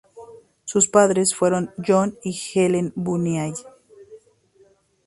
Sus padres fueron John y Helen Bunyan.